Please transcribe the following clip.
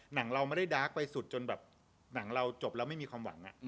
เราไม่ได้ดาร์กไปสุดจนแบบหนังเราจบแล้วไม่มีความหวัง